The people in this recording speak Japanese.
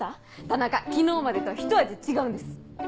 田中昨日までとはひと味違うんです。